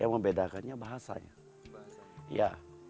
yang membedakannya bahasanya